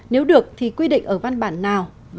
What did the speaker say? nếu được thì quy định ở văn bản nào